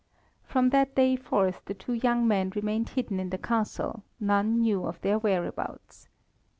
From that day forth the two young men remained hidden in the Castle; none knew of their whereabouts.